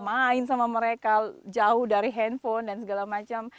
main sama mereka jauh dari handphone dan segala macam